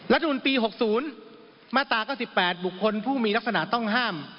รัฐมนุนปี๖๐มาตรา๙๘บุคคลผู้มีลักษณะต้องห้าม